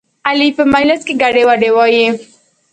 علي په مجلس کې ګډې وډې وایي.